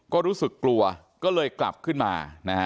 ก็รู้สึกกลัวก็เลยกลับขึ้นมานะฮะ